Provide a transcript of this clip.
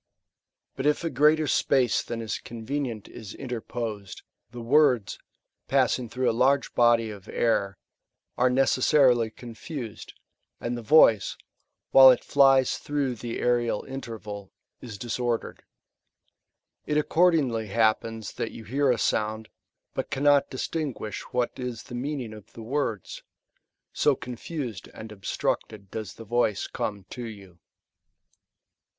But if a greater space than is convenient is interposed, the words, passing through a large hody of air, are necessarily confused, and the voice, while it files through the aerial interval, is disordered. It accordingly happens that you hear a sound, but cannot distinguish what is the meaning of the words ;^ so confused and obstructed does the voice come to you.